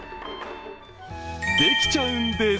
できちゃうんです。